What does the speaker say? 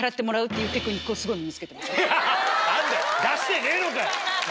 何だよ出してねえのかよ！